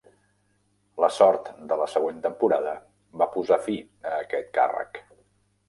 La sort de la següent temporada va posar fi a aquest càrrec.